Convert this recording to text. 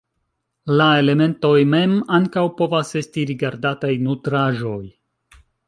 La elementoj mem ankaŭ povas est rigardataj nutraĵoj.